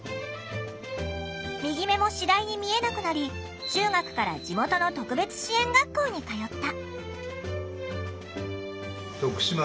右目も次第に見えなくなり中学から地元の特別支援学校に通った。